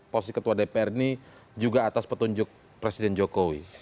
posisi ketua dpr ini juga atas petunjuk presiden jokowi